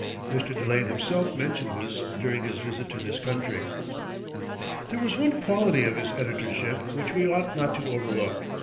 Mr. Delane himself mentioned this during his visit to this country. There was one quality of his editorship which we ought not to overlook.